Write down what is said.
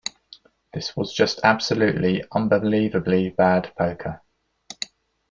This was just absolutely, unbelievably bad poker.